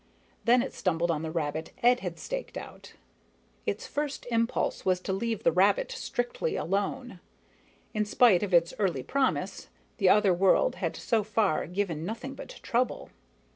Then it stumbled on the rabbit Ed had staked out. Its first impulse was to leave the rabbit strictly alone. In spite of its early promise, the other world had so far given nothing but trouble.